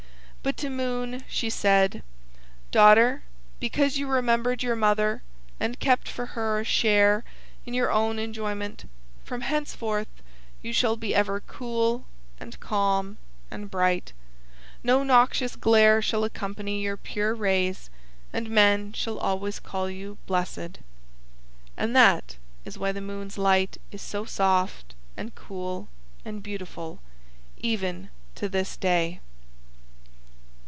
But to Moon she said, "Daughter, because you remembered your mother, and kept for her a share in your own enjoyment, from henceforth you shall be ever cool, and calm and bright. No noxious glare shall accompany your pure rays, and men shall always call you 'blessed.'" (And that is why the Moon's light is so soft, and cool, and beautiful even to this day.)